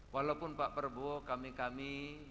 walaupun pak prabowo kami kami